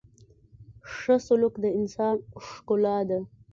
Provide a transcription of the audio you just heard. • ښه سلوک د انسان ښکلا ده.